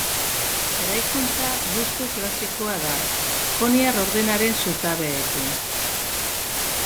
Eraikuntza gustu klasikoa da, Joniar ordenaren zutabeekin.